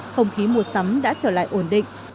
không khí mua sắm đã trở lại ổn định